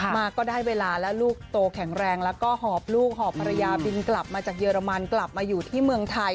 มาก็ได้เวลาแล้วลูกโตแข็งแรงแล้วก็หอบลูกหอบภรรยาบินกลับมาจากเยอรมันกลับมาอยู่ที่เมืองไทย